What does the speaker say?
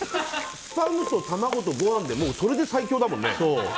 スパムと卵とご飯でそれで最強だもんね。